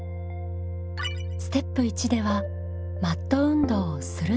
ステップ１ではマット運動を「する」